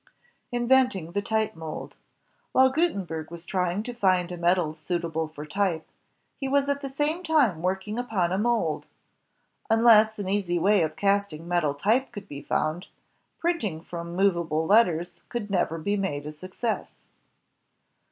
Inventing the Type Mold While Gutenberg was trying to find a metal suitable for type, he was at the same time working upon a mold. Unless an easy way of casting metal type could be foimd, printing from movable letters could never be made a success.